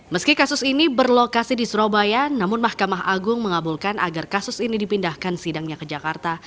meski kasus ini berlokasi di surabaya namun mahkamah agung mengabulkan agar kasus ini dipindahkan sidangnya ke jakarta